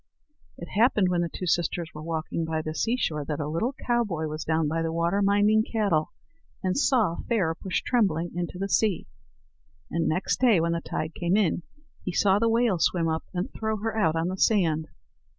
It happened, when the two sisters were walking by the sea shore, that a little cowboy was down by the water minding cattle, and saw Fair push Trembling into the sea; and next day, when the tide came in, he saw the whale swim up and throw her out on the sand.